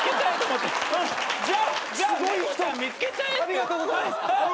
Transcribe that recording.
ありがとうございます。